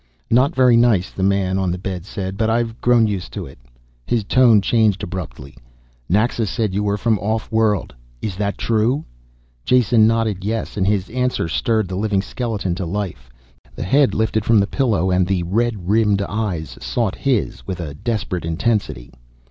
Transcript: "Not very nice," the man on the bed said, "but I've grown used to it." His tone changed abruptly. "Naxa said you were from off world. Is that true?" Jason nodded yes, and his answer stirred the living skeleton to life. The head lifted from the pillow and the red rimmed eyes sought his with a desperate intensity.